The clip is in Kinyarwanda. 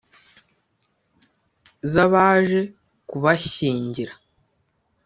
Z'abaje kubashyingira